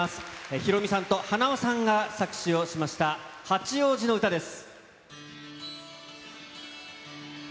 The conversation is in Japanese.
ヒロミさんとはなわさんが作詞をしました、八王子のうたです。